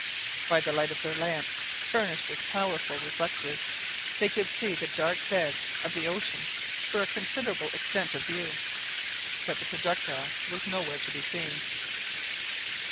By the light of their lamps, furnished with powerful reflectors, they could see the dark beds of the ocean for a considerable extent of view, but the projectile was nowhere to be seen.